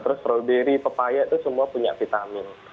terus strawberry papaya itu semua punya vitamin